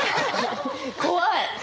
怖い！